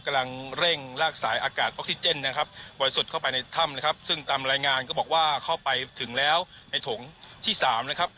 กำลังเร่งลากสายอากาศออกซิเจนนะครับบริสุทธิ์เข้าไปในถ้ำนะครับซึ่งตามรายงานก็บอกว่าเข้าไปถึงแล้วในถงที่สามนะครับ